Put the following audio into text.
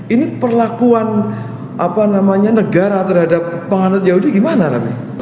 ini perlakuan apa namanya negara terhadap penganut yahudi gimana rame